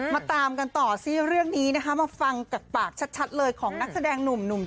มาตามกันต่อสิเรื่องนี้นะคะมาฟังจากปากชัดเลยของนักแสดงหนุ่ม